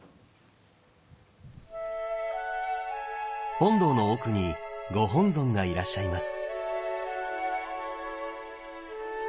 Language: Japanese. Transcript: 本堂の奥にご本尊がいらっしゃいます。